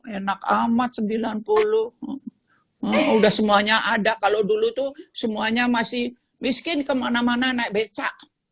enak terug udah semuanya ada kalau dulu tuh semuanya masih miskin ke mana mana naik becak